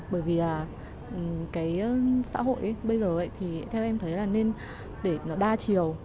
bởi vì là cái xã hội bây giờ thì theo em thấy là nên để nó đa chiều